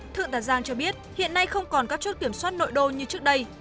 thượng tà giang cho biết hiện nay không còn các chốt kiểm soát nội đô như trước đây